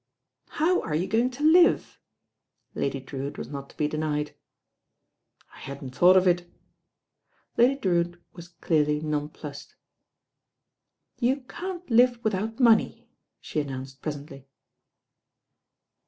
"How are you going to live?" Lady Drewitt was not to be denied. "I hadn't thought of it." Lady Drewitt was clearly nonplussed. "You can't live without money," she announced presently.